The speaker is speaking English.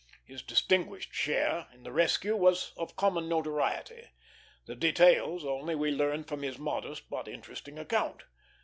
His distinguished share in the rescue was of common notoriety; the details only we learned from his modest but interesting account.